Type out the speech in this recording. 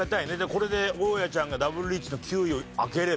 これで大家ちゃんがダブルリーチの９位を開ければ。